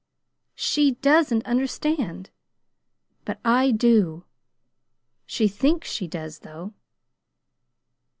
She doesn't understand! But I do. She thinks she does, though!"